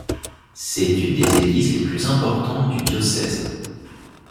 C'est une des églises les plus importantes du diocèse.